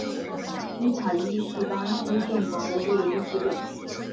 伊塔伊是巴西圣保罗州的一个市镇。